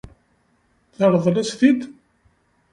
Teṛḍel-as-t-id?